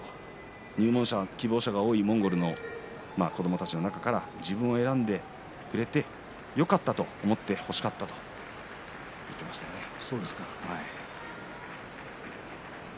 入門希望者が多いモンゴルの子どもたちの中から自分を選んでくれてよかったと思ってほしかったとそうですか。